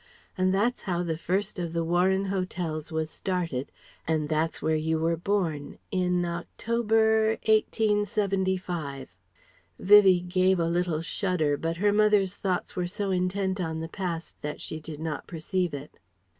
And that's how the first of the Warren Hotels was started and that's where you were born ... in October, Eighteen seventy five " (Vivie gave a little shudder, but her mother's thoughts were so intent on the past that she did not perceive it.)